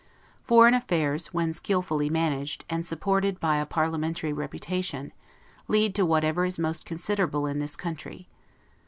Foreign affairs, when skillfully managed, and supported by a parliamentary reputation, lead to whatever is most considerable in this country.